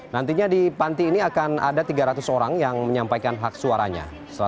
nantinya di panti ini akan ada tiga ratus orang yang menyampaikan hak suaranya